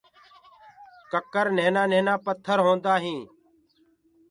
ڪڪر سنهآ سنهآ پٿر هوندآ هينٚ۔